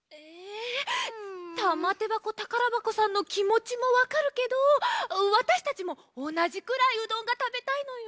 たまてばこたからばこさんのきもちもわかるけどわたしたちもおなじくらいうどんがたべたいのよ。